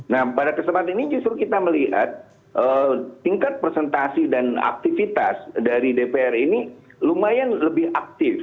nah pada kesempatan ini justru kita melihat tingkat presentasi dan aktivitas dari dpr ini lumayan lebih aktif